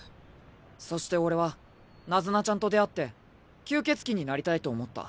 そして俺はナズナちゃんと出会って吸血鬼になりたいと思った。